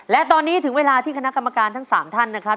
และตอนนี้ถึงเวลาที่คณะกรรมการทั้ง๓ท่านนะครับ